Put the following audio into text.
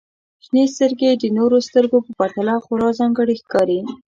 • شنې سترګې د نورو سترګو په پرتله خورا ځانګړې ښکاري.